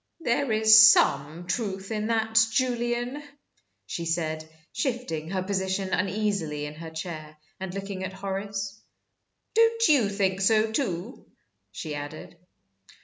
"There is some truth in that, Julian," she said, shifting her position uneasily in her chair, and looking at Horace. "Don't you think so, too?" she added.